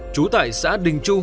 trú tại xã đình chu